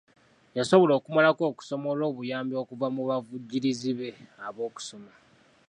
Yasobola okumalako okusoma olw'obuyambi okuva mu bavujjirizi be ab'okusoma.